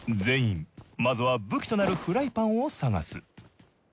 全員まずは武器となるフライパンを探す。